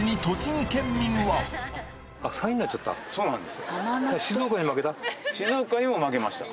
そうなんですよ。